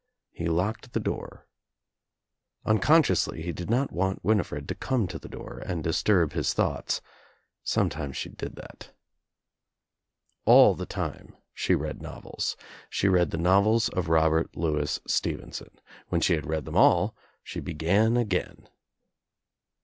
He locked the door. Un DOOR OF THE TRAP ^Jeonsciously he did not want Winifred to come to the door and disturb his thoughts. Sometimes she did that. All the time she read novels. She read the novels M. of Robert Louis Stevenson. When she had read them H all she began again.